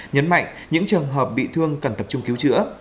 nhấn mạnh những trường hợp bị thương cần tập trung cứu chữa